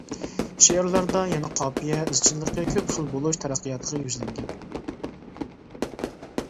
شېئىرلاردا يەنە قاپىيە ئىزچىللىقى كۆپ خىل بولۇش تەرەققىياتىغا يۈزلەنگەن.